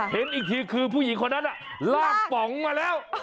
เห็นอีกทีคือผู้หญิงคนนั้นลากป๋องมาแล้ว